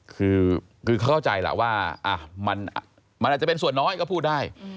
คือเขาเข้าใจแหละว่ามันอาจจะเป็นส่วนน้อยก็พูดได้